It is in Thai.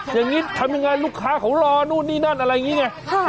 อย่างนี้ทำยังไงลูกค้าเขารอนู่นนี่นั่นอะไรอย่างนี้ไง